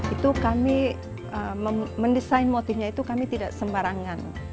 itu kami mendesain motifnya itu kami tidak sembarangan